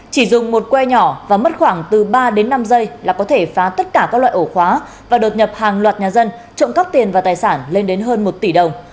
chỉ dùng một que nhỏ và mất khoảng từ ba đến năm giây là có thể phá tất cả các loại ổ khóa và đột nhập hàng loạt nhà dân trộm cắp tiền và tài sản lên đến hơn một tỷ đồng